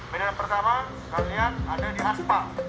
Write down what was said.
medan pertama kalian ada di aspa